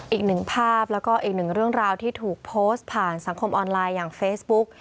อีกหนึ่งภาพแล้วก็อีกหนึ่งเรื่องราวที่ถูกโพสต์ผ่านสังคมออนไลน์อย่างเฟซบุ๊ก